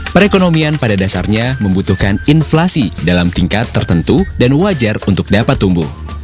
perekonomian pada dasarnya membutuhkan inflasi dalam tingkat tertentu dan wajar untuk dapat tumbuh